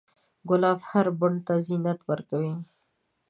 ګلاب هر بڼ ته زینت ورکوي.